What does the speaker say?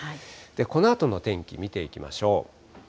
このあとの天気見ていきましょう。